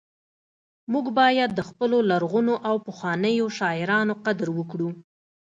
موږ باید د خپلو لرغونو او پخوانیو شاعرانو قدر وکړو